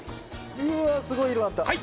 うわすごい色なった！